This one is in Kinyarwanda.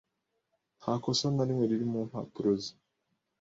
Nta kosa na rimwe riri mu mpapuro ze.